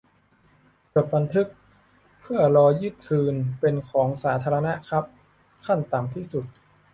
จดบันทึก เพื่อรอยึดคืนเป็นของสาธารณะครับ ขั้นต่ำที่สุด